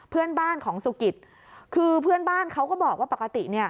เพื่อนบ้านของสุกิตคือเพื่อนบ้านเขาก็บอกว่าปกติเนี่ย